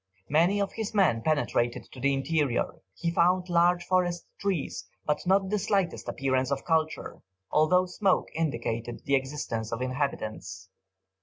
Many of his men penetrated to the interior; he found large forest trees, but not the slightest appearance of culture, although smoke indicated the existence of inhabitants.